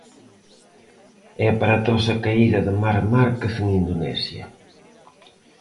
E aparatosa caída de Marc Márquez en Indonesia.